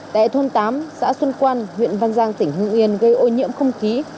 tại thôn tám xã xuân quan huyện văn giang tỉnh hưng yên gây ô nhiễm không khí